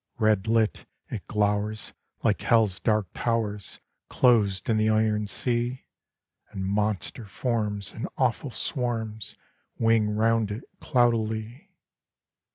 Red lit it glowers, like Hell's dark towers, Closed in the iron sea; And monster forms in awful swarms Wing round it cloudily.